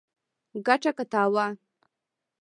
ګټه که تاوان